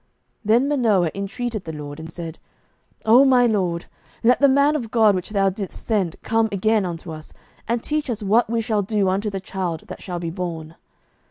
07:013:008 Then Manoah intreated the LORD, and said, O my Lord, let the man of God which thou didst send come again unto us, and teach us what we shall do unto the child that shall be born.